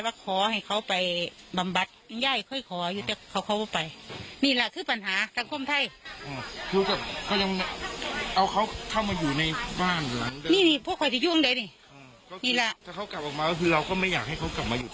ถ้าเขากลับออกมาเราก็ไม่อยากให้เขากลับมาหยุด